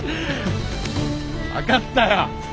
分かったよ。